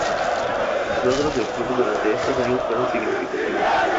Los logros del club durante estos años fueron significativas.